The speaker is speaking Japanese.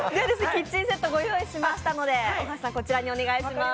キッチンセットご用意しましたので、こちらにお願いします。